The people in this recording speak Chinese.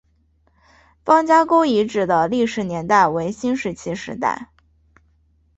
方家沟遗址的历史年代为新石器时代。